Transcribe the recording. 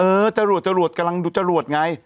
จรวดจรวดกำลังดูจรวดไง